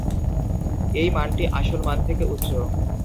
এই মানটি আসল মান থেকে উচ্চ।